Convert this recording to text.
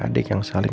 pernah ga tahu